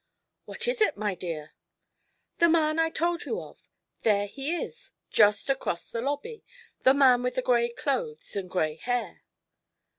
"What is it, my dear?" "The man I told you of. There he is, just across the lobby. The man with the gray clothes and gray hair."